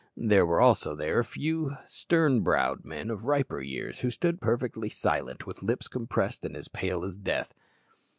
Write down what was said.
There were also there a few stern browed men of riper years, who stood perfectly silent, with lips compressed, and as pale as death.